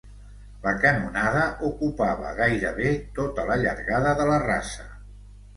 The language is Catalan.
La canonada ocupava gairebé tota la llargada de la rasa.